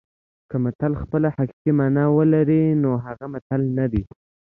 که متل خپله حقیقي مانا ولري نو هغه متل نه دی